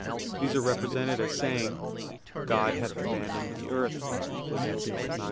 These are represented as saying, "God hath abandoned the earth" (Ezech. 9:9).